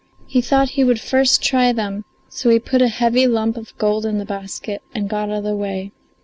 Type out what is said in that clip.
He thought he would first try them, so he put a heavy lump of gold in the basket and got out of the way.